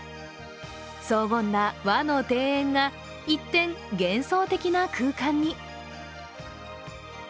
荘厳な和の庭園が一転幻想的な空間に。